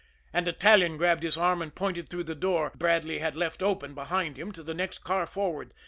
An Italian grabbed his arm and pointed through the door Bradley had left open behind him to the next car forward.